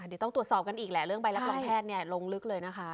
เดี๋ยวต้องตรวจสอบกันอีกแหละเรื่องใบรับรองแพทย์ลงลึกเลยนะคะ